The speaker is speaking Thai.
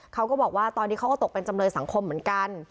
เขาก็บอกว่าตอนนี้เขาก็ตกเป็นจำเลยสังคมเหมือนกัน